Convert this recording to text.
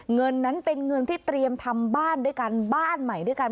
เงินนั้นเป็นเงินที่เตรียมทำบ้านด้วยกันบ้านใหม่ด้วยกัน